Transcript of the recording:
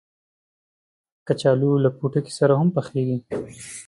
کچالو له پوټکي سره هم پخېږي